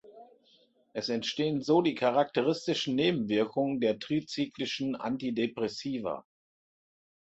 Es entstehen so die charakteristischen Nebenwirkungen der trizyklischen Antidepressiva.